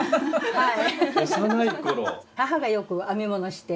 はい。